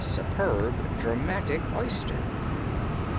Superb, dramatic oyster!